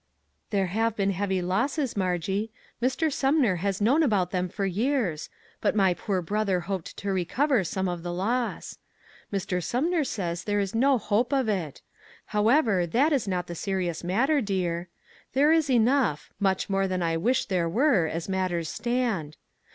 "" There have been heavy losses, Margie ; Mr. Sumner has known about them for years, but my poor brother hoped to recover some of the loss; Mr. Sumner says there is no hope of it. However, that is not the serious matter, dear; there is enough, much more than I wish there were, as matters stand.